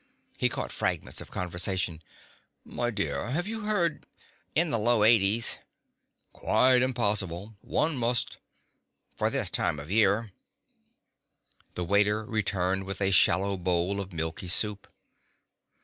He caught fragments of conversation: "My dear, have you heard ...""... in the low eighties ...""... quite impossible. One must ...""... for this time of year." The waiter returned with a shallow bowl of milky soup.